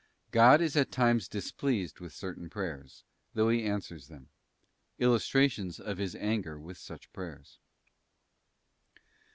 God is at times displeased with certain prayers, though He answers them. Illustrations of His anger with such prayers.